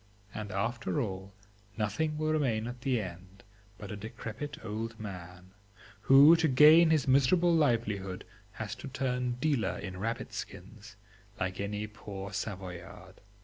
and after all, nothing will remain at the end but a decrepit old man, who to gain his miserable livelihood has to turn dealer in rabbit skins, like any poor Savoyard.